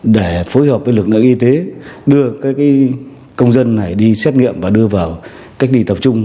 để phối hợp với lực lượng y tế đưa các công dân này đi xét nghiệm và đưa vào cách ly tập trung